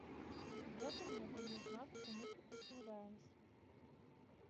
Гэтым я даю знак, што мы супраціўляемся.